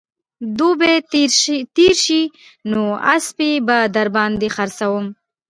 دوبى تېر شي نو اسپې به در باندې خرڅوم